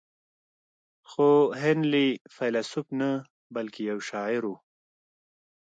خو هنلي فيلسوف نه بلکې يو شاعر و.